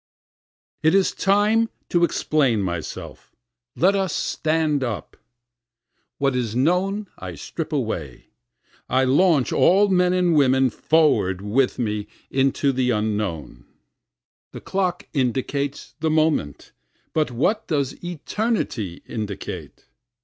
44 It is time to explain myself let us stand up. What is known I strip away, I launch all men and women forward with me into the Unknown. The clock indicates the moment but what does eternity indicate?